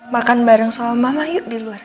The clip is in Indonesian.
makan bareng sama mama yuk di luar